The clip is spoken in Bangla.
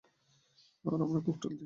আর আমরা ককটেল দিয়ে শুরু করি।